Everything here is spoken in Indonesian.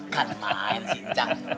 kan kan sih cang